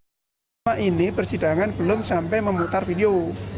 pada saat ini persidangan belum sampai memutar video